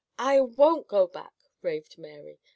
I won't go back!" raved Mary.